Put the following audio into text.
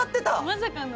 まさかの。